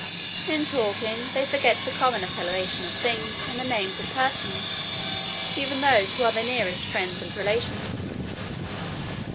In talking, they forget the common appellation of things, and the names of persons, even of those who are their nearest friends and relations.